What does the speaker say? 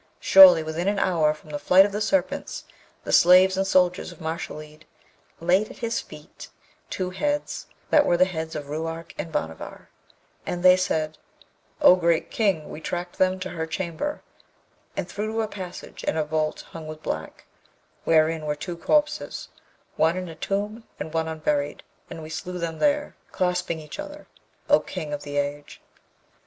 Surely within an hour from the flight of the Serpents, the slaves and soldiers of Mashalleed laid at his feet two heads that were the heads of Ruark and Bhanavar; and they said, 'O great King, we tracked them to her chamber and through to a passage and a vault hung with black, wherein were two corpses, one in a tomb and one unburied, and we slew them there, clasping each other, O King of the age!'